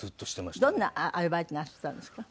どんなアルバイトなすったんですか？